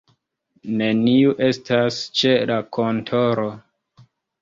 Neniu estas ĉe la kontoro.